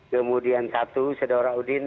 kemudian satu saudara udin